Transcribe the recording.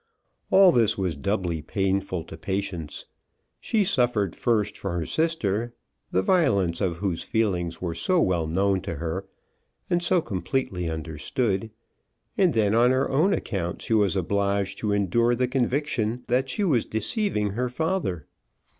All this was doubly painful to Patience. She suffered first for her sister, the violence of whose feelings were so well known to her, and so completely understood; and then on her own account she was obliged to endure the conviction that she was deceiving her father.